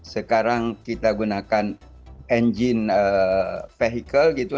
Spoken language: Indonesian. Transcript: sekarang kita gunakan mesin kendaraan listrik